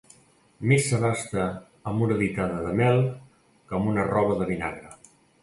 Més s'abasta amb una ditada de mel que amb una arrova de vinagre.